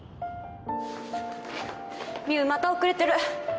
美羽また遅れてる